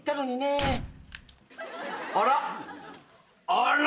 あら？